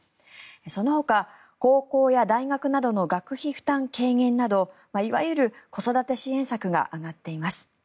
そのほか高校や大学などの学費負担軽減などいわゆる子育て支援策が挙がっています。